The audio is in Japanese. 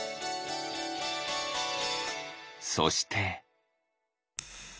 そして。